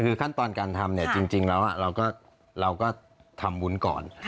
คือขั้นตอนการทำเนี่ยจริงแล้วเราก็ทำบุญก่อน